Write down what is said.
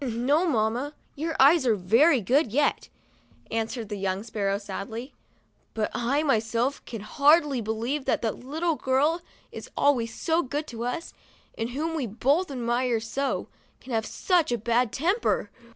"No, mamma, your eyes are very good yet," an swered the young sparrow, sadly. " But I, myself, can hardly believe that the little girl that is always so good to us, and whom we both admired so, can have such a bad temper